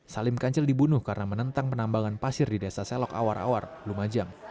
salim kancil dibunuh karena menentang penambangan pasir di desa selok awar awar lumajang